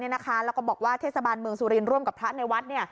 แล้วก็บอกว่าเทศบาลเมืองสุรินทร์ร่วมกับพระในวัด